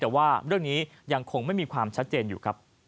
แต่ว่าเรื่องนี้ยังคงไม่มีความชัดเจนอยู่ครับ